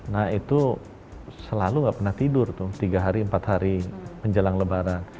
nah itu selalu nggak pernah tidur tuh tiga hari empat hari menjelang lebaran